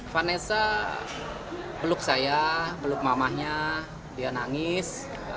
vanessa peluk saya peluk mamahnya dia nangis